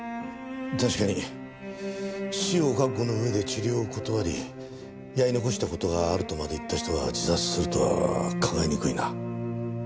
確かに死を覚悟の上で治療を断りやり残した事があるとまで言った人が自殺するとは考えにくいな。